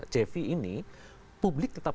cv ini publik tetap